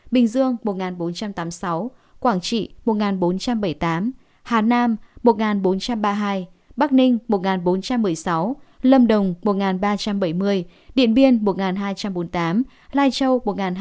bình dương một bốn trăm tám mươi sáu quảng trị một bốn trăm bảy mươi tám hà nam một bốn trăm ba mươi hai bắc ninh một bốn trăm một mươi sáu lâm đồng một ba trăm bảy mươi điện biên một hai trăm bốn mươi tám lai châu một hai trăm ba mươi một